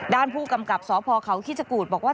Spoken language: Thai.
ด้านผู้กำกับสพเขาคิชกูธบอกว่า